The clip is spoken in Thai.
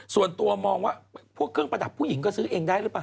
ส่วนตัวมองว่าพวกเครื่องประดับผู้หญิงก็ซื้อเองได้หรือเปล่า